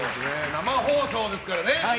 生放送ですからね。